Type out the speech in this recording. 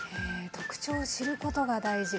特徴を知ることが大事。